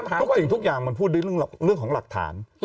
ทุกสิ่งทุกอย่างมันพูดด้วยเรื่องของหลักฐาน